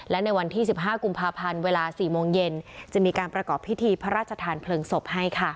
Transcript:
และในวันที่๑๕กุมภาพันธ์เวลา๔โมงเย็นจะมีการประกอบพิธีพระราชทานเพลิงศพให้